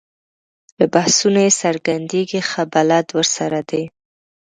له بحثونو یې څرګندېږي ښه بلد ورسره دی.